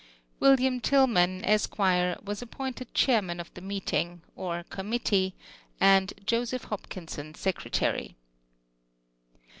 Vv'iLLiA^i TiL^KMAX, Esq. was appointed chair man of the meeting, or committee — and, Joseph Hopkissox, secretary.